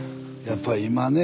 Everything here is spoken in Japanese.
やっぱり今ね